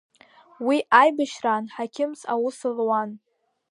Уи аибашьраан ҳақьымс аус луан.